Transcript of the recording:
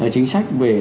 chính sách về